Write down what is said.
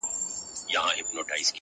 او خپل حساب کوي دننه,